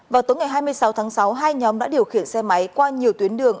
vào tối ngày hai mươi sáu tháng sáu hai nhóm đã điều khiển xe máy qua nhiều tuyến đường